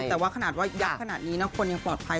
แต่ว่าขนาดว่ายับขนาดนี้นะคนยังปลอดภัย